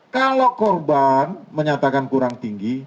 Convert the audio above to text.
kalau korban menyatakan kurang tinggi